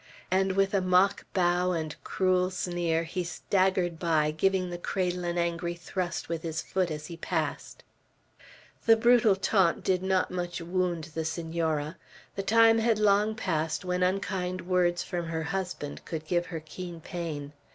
and with a mock bow, and cruel sneer, he staggered by, giving the cradle an angry thrust with his foot as he passed. The brutal taunt did not much wound the Senora. The time had long since passed when unkind words from her husband could give her keen pain.